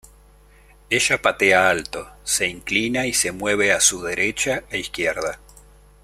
Ella patea alto, se inclina y se mueve a su derecha e izquierda.